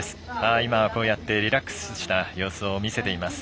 今、こうやってリラックスした様子を見せています。